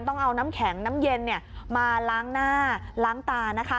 ต้องเอาน้ำแข็งน้ำเย็นมาล้างหน้าล้างตานะคะ